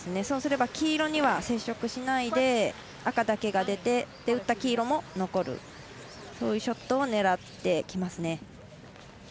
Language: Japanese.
そうすれば黄色には接触しないで赤だけが出て打った黄色も残るそういうショットを狙ってきますね。